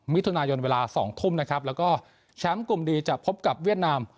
มิถุนายนเวลา๒ทุ่มนะครับแล้วก็แชมป์กลุ่มดีจะพบกับเวียดนาม